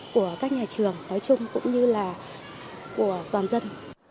của các nhà trường nói chung cũng như là của toàn dân